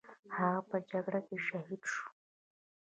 هغه په جګړه کې شهید شو.